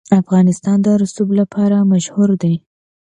افغانستان د رسوب لپاره مشهور دی.